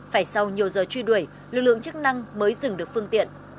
phải sau nhiều giờ truy đuổi lực lượng chức năng mới dừng được phương tiện